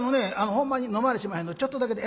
ほんまに飲まれしまへんのでちょっとだけで。